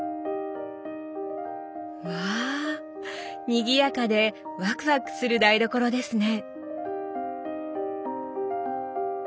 うわにぎやかでワクワクする台所ですね！